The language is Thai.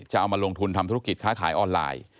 เอามาลงทุนทำธุรกิจค้าขายออนไลน์